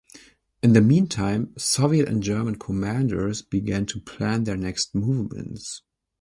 In the meantime, Soviet and German commanders began to plan their next movements.